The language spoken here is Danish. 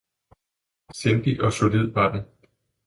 sindig og solid var den!